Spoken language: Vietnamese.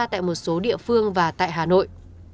tại một số địa phương và tại hà nội